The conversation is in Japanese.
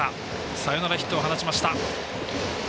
サヨナラヒットを放ちました。